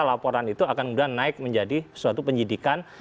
laporan itu akan kemudian naik menjadi suatu penyidikan